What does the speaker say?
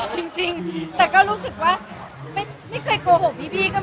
จริงแต่ก็รู้สึกว่าไม่เคยโกหกพี่